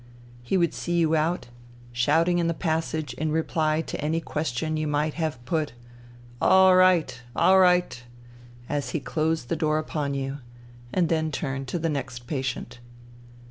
He would see you out, shouting in the passage in reply to any question you might have put :" Orright ! Orright !'* as he closed the door upon you ; and then turn to the next patient.